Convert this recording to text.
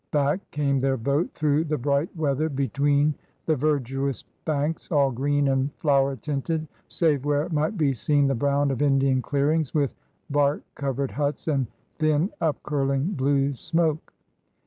Back came their boat through the bright weather, be tween the verdurous banks, all green and flower tinted save where might be seen the brown of Indian clearings with bark covered huts and thin, up curling blue smoke.